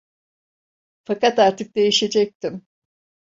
Fakat artık değişecektim.